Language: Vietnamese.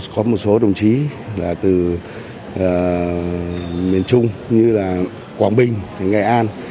có một số đồng chí từ miền trung như quảng bình nghệ an